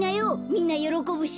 みんなよろこぶし。